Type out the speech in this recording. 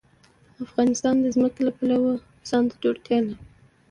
افغانستان د ځمکه د پلوه ځانته ځانګړتیا لري.